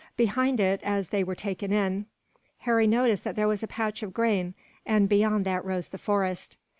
Behind it, as they were taken in, Harry noticed that there was a patch of grain, and beyond that rose the forest.